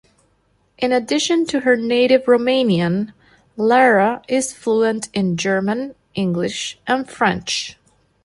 In addition to her native Romanian, Lara is fluent in German, English, and French.